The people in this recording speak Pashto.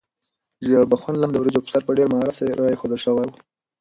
ژیړبخون لم د وریجو په سر په ډېر مهارت سره ایښودل شوی و.